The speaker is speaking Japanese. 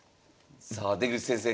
さあ出口先生